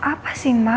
apa sih ma